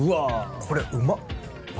これうまっ！